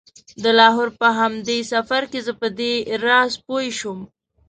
د لاهور په همدې سفر کې زه په دې راز پوی شوم.